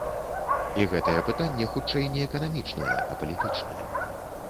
І гэтае пытанне хутчэй не эканамічнае, а палітычнае.